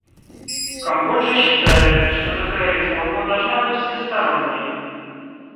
Камбоджа считает, что такая реформа должна быть всесторонней.